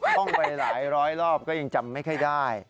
ท่องไปหลายร้อยรอบก็ยังจำไม่ค่อยได้